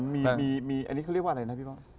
มีอันนี้เขาเรียกว่าอะไรนะพี่ว่า